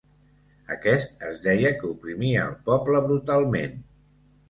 Aquest, es deia que oprimia el poble brutalment.